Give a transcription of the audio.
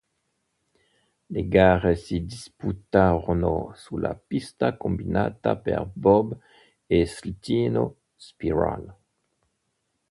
Le gare si disputarono sulla pista combinata per bob e slittino "Spiral".